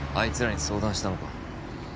いつらに相談したのか？